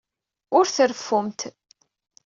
Ur treffumt.